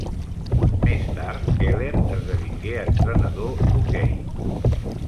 Més tard, Keller esdevingué entrenador d'hoquei.